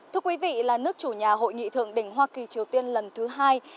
thưa quý vị là nước chủ nhà hội nghị thượng đỉnh hoa kỳ triều tiên lần thứ hai